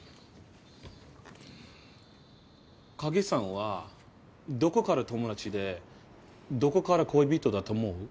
影さんはどこから友達でどこから恋人だと思う？